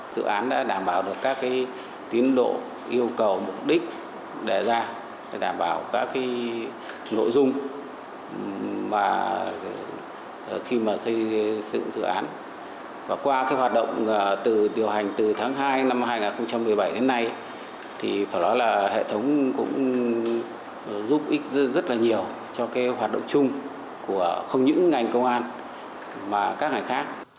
dự án đã đảm bảo được các kế hoạch